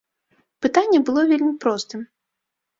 Пытанне было вельмі простым.